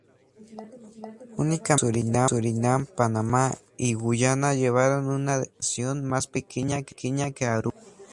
Únicamente Surinam, Panamá y Guyana llevaron una delegación más pequeña que Aruba.